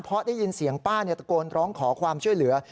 เพราะได้ยินเสียงป้าตะโกนร้องขอความช่วยเหลือ